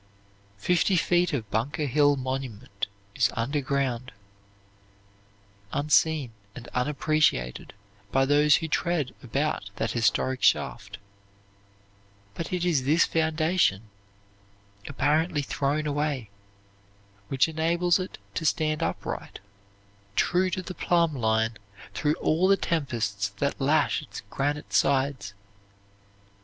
Fifty feet of Bunker Hill Monument is under ground; unseen and unappreciated by those who tread about that historic shaft, but it is this foundation, apparently thrown away, which enables it to stand upright, true to the plumb line through all the tempests that lash its granite sides.